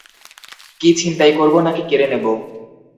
কী ছিনতাই করবো নাকি কেড়ে নেবো?